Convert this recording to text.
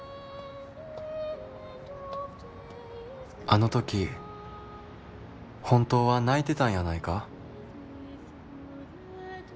「あの時本当は泣いてたんやないか？」。